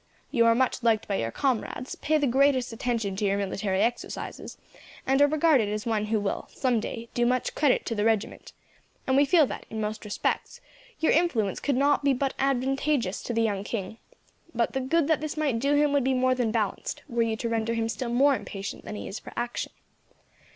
You are much liked by your comrades, pay the greatest attention to your military exercises, and are regarded as one who will, some day, do much credit to the regiment; and we feel that, in most respects, your influence could not but be advantageous to the young king; but the good that this might do him would be more than balanced, were you to render him still more impatient than he is for action.